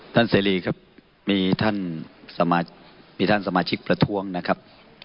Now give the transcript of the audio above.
ท่านเซรีครับมีท่านสมาชิกประท้วงนะครับ